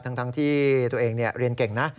ทั้งที่ตัวเองเรียนเก่งนะ